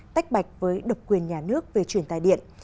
tách bạch với độc quyền nhà nước về truyền tài điện